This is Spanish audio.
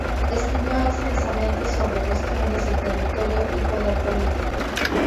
Escribió extensamente sobre cuestiones de territorio y poder político.